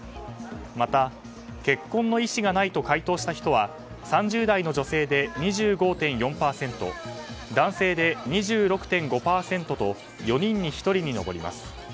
また、結婚の意思がないと回答した人は３０代の女性で２５．４％男性で２６．５％と４人に１人に上ります。